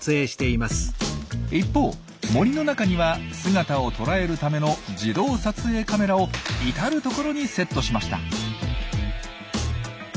一方森の中には姿を捉えるための自動撮影カメラを至る所にセットしました。